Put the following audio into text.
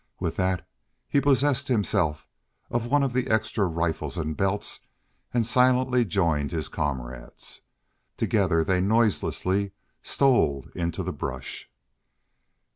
With that he possessed himself of one of the extra rifles and belts and silently joined his comrades. Together they noiselessly stole into the brush.